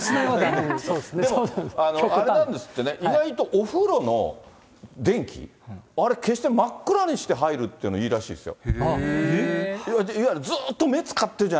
でもあれなんですってね、意外とお風呂の電気、あれ消して真っ暗にして入るっていうのいいらしいですよ。